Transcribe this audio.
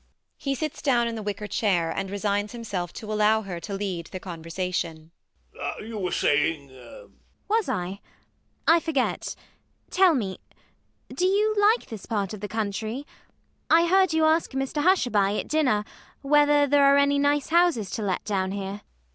[He sits down in the wicker chair; and resigns himself to allow her to lead the conversation]. You were saying ? ELLIE. Was I? I forget. Tell me. Do you like this part of the country? I heard you ask Mr Hushabye at dinner whether there are any nice houses to let down here. MANGAN.